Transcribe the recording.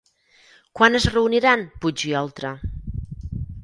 Quan es reuniran Puig i Oltra?